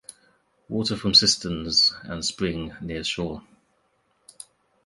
Water from cisterns and spring near shore.